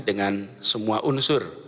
dengan semua unsur